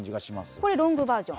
これ、ロングバージョン。